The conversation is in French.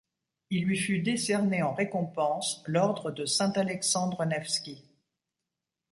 Il lui fut décerné en récompense l'ordre de Saint-Alexandre Nevski.